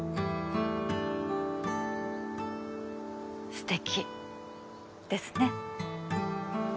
すてきですね。